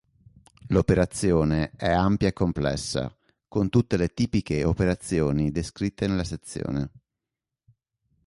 L'operazione è ampia e complessa, con tutte le tipiche operazioni descritte nella sezione.